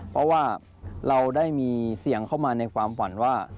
เพราะว่าเราได้มีเสียงเข้ามาในความฝันว่า